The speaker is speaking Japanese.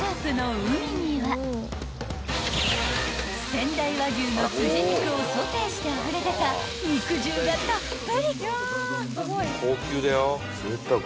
［仙台和牛のすじ肉をソテーしてあふれ出た肉汁がたっぷり］